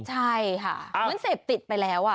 ใช่ค่ะเหมือนเสพติดไปแล้ว